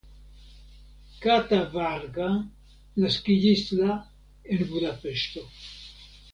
Kata Varga naskiĝis la en Budapeŝto.